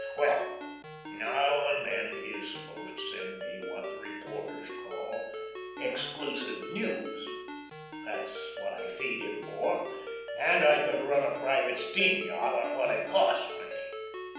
Well, now and then he is supposed to send me what the reporters call "exclusive news" that's what I feed him for, and I could run a private steam yacht on what it costs me.